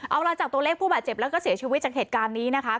เอาล่ะจากตัวเลขผู้บาดเจ็บแล้วก็เสียชีวิตจากเหตุการณ์นี้นะคะ